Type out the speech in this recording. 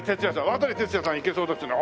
渡哲也さんいけそうですね。